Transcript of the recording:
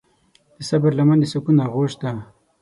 د صبر لمن د سکون آغوش ده.